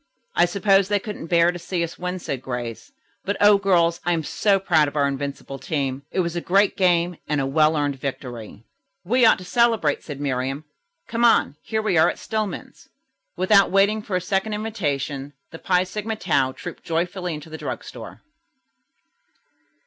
"I suppose they couldn't bear to see us win," said Grace. "But, O girls, I am so proud of our invincible team. It was a great game and a well earned victory." "We ought to celebrate," said Miriam. "Come on. Here we are at Stillman's." Without waiting for a second invitation, the Phi Sigma Tau trooped joyfully into the drug store.